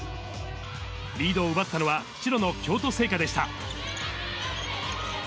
リードを奪ったのは、白の京都精華でした。